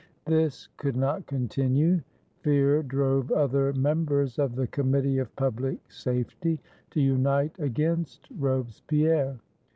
This could not continue. Fear drove other members of the Committee of PubUc Safety to unite against Robespierre.